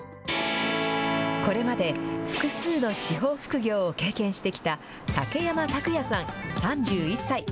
これまで複数の地方副業を経験してきた竹山卓弥さん３１歳。